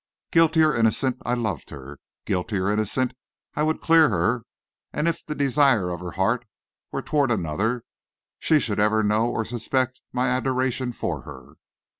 Guilty or innocent, I loved her. Guilty or innocent, I would clear her; and if the desire of her heart were toward another, she should ever know or suspect my adoration for her.